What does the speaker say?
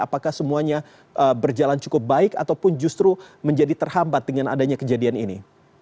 apakah semuanya berjalan cukup baik ataupun justru menjadi terhambat dengan adanya kejadian ini